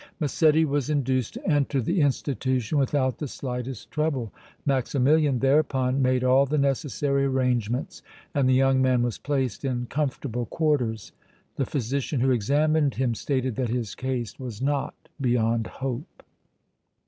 Massetti was induced to enter the institution without the slightest trouble. Maximilian thereupon made all the necessary arrangements, and the young man was placed in comfortable quarters. The physician who examined him stated that his case was not beyond hope.